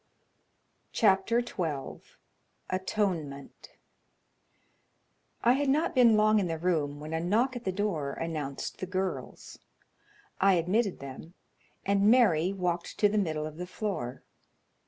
CHAPTER XII Atonement I had not been long in the room when a knock at the door announced the girls. I admitted them, and Mary walked to the middle of the floor.